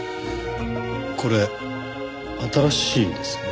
これ新しいですね。